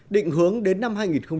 định hướng đến năm hai nghìn ba mươi